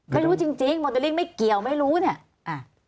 ไม่รู้จริงจริงโมเดลลิ่งไม่เกี่ยวไม่รู้เนี่ยอ่า